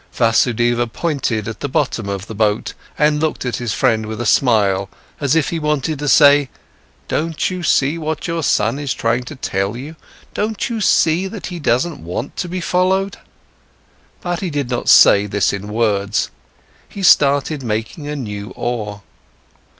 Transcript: Vasudeva pointed to the bottom of the boat and looked at his friend with a smile, as if he wanted to say: "Don't you see what your son is trying to tell you? Don't you see that he doesn't want to be followed?" But he did not say this in words. He started making a new oar.